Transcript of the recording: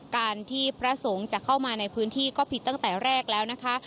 การที่พระสงฆ์จะเข้ามาในพื้นที่ก็ผิดตั้งแต่แรกแล้วนะคะ